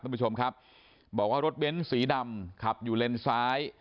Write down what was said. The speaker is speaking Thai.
คุณผู้ชมครับบอกว่ารถเบ้นสีดำขับอยู่เลนซ้าย